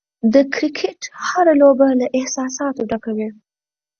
د کرکټ هره لوبه له احساساتو ډکه وي.